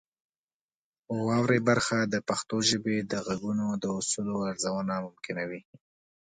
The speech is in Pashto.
واورئ برخه د پښتو ژبې د غږونو د اصولو ارزونه ممکنوي.